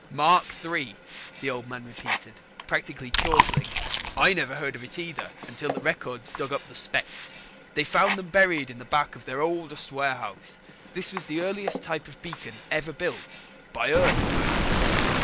"Mark III," the Old Man repeated, practically chortling. "I never heard of it either until Records dug up the specs. They found them buried in the back of their oldest warehouse. This was the earliest type of beacon ever built by Earth, no less.